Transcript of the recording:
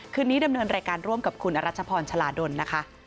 คืนนี้ดำเนินรายการร่วมกับคุณอรัชพรชลาดลนะคะ